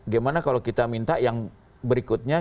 gimana kalau kita minta yang berikutnya